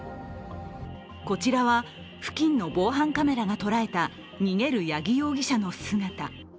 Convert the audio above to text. こちらは付近の防犯カメラが捉えた逃げる八木容疑者の姿。